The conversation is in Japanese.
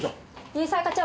水沢課長。